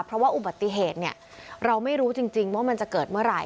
เพราะว่าอุบัติเหตุเนี่ยเราไม่รู้จริงว่ามันจะเกิดเมื่อไหร่